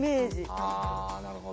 あなるほど。